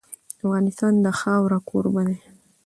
افغانستان د خاوره کوربه دی.